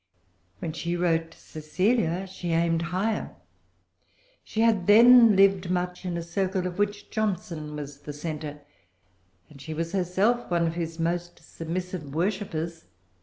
When she wrote Cecilia she aimed higher. She had then lived much in a circle of which Johnson was the centre; and she was herself one of his most submissive worshippers.